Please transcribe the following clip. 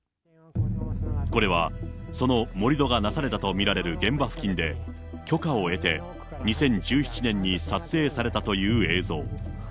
これはその盛り土がなされたと見られる現場付近で、許可を得て、２０１７年に撮影されたという映像。